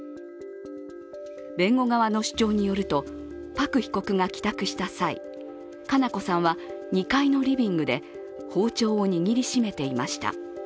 弁護側の主張によるとパク被告が帰宅した際、佳菜子さんは２階のリビングで包丁を握りしめていました。